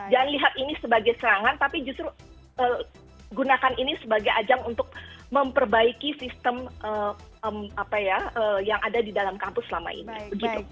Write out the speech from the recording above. jangan lihat ini sebagai serangan tapi justru gunakan ini sebagai ajang untuk memperbaiki sistem yang ada di dalam kampus selama ini